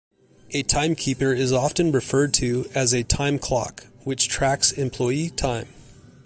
A timekeeper is often referred to as a time clock, which tracks employee time.